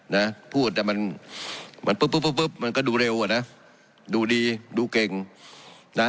นะพูดแต่มันมันมันก็ดูเร็วอะน่ะดูดีดูเก่งน่ะ